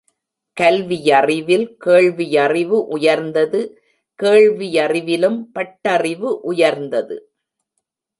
கல்வியறிவில் கேள்வியறிவு உயர்ந்தது கேள்வியறிவிலும் பட்டறிவு உயர்ந்தது.